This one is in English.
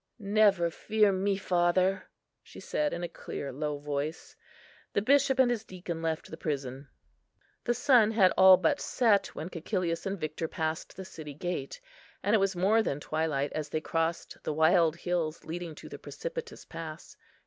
"Never fear me, father," she said in a clear, low voice. The bishop and his deacon left the prison. The sun had all but set, when Cæcilius and Victor passed the city gate; and it was more than twilight as they crossed the wild hills leading to the precipitous pass.